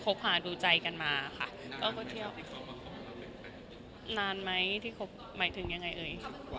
หาดูใจกันมาค่ะก็เที่ยวไปนานไหมที่คบหมายถึงยังไงเอ่ย